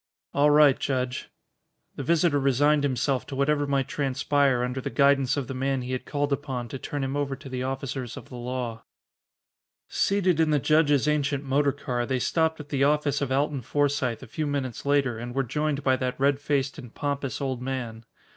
"All right, Judge." The visitor resigned himself to whatever might transpire under the guidance of the man he had called upon to turn him over to the officers of the law. Seated in the judge's ancient motor car, they stopped at the office of Alton Forsythe a few minutes later and were joined by that red faced and pompous old man.